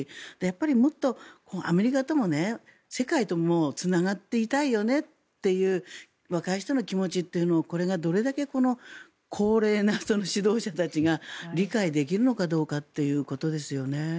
もっとアメリカとも世界ともつながっていたいよねという若い人たちの気持ちをどれだけ高齢な指導者たちが理解できるのかどうかということですよね。